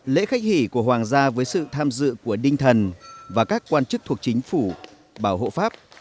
lễ khách hỉ của hoàng gia với sự tham dự của đinh thần và các quan chức thuộc chính phủ bảo hộ pháp